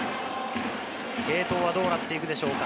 継投はどうなっていくでしょうか。